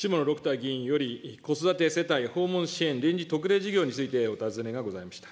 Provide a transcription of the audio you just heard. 議員より、子育て支援訪問支援臨時特例事業についてお尋ねがございました。